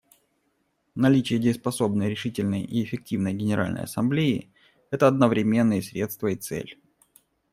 Наличие дееспособной, решительной и эффективной Генеральной Ассамблеи — это одновременно и средство, и цель.